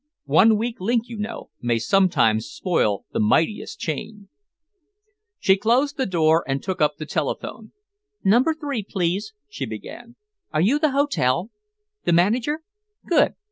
"One weak link, you know, may sometimes spoil the mightiest chain." She closed the door and took up the telephone. "Number three, please," she began. "Are you the hotel? The manager? Good!